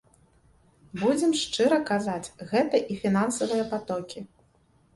Будзем шчыра казаць, гэта і фінансавыя патокі.